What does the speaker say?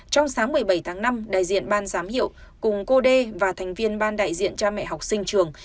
trong sáng một mươi bảy tháng năm đại diện ban giám hiệu cùng cô đê và thành viên ban đại diện cha mẹ học sinh trường